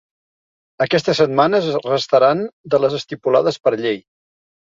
Aquestes setmanes es restaran de les estipulades per llei.